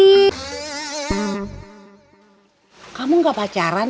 eh kamu mau main sama febri